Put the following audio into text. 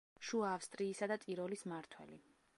შუა ავსტრიისა და ტიროლის მმართველი.